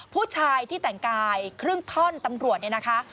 ผู้ชายที่แต่งกายครึ่งท่อนตำรวจเนี่ยนะคะ